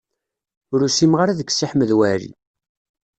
Ur usimeɣ ara deg Si Ḥmed Waɛli.